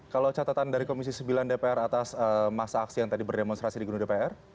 kalau catatan dari komisi sembilan dpr atas masa aksi yang tadi berdemonstrasi di gunung dpr